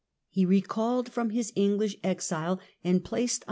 He recalled from his English exile and placed on Louis IV.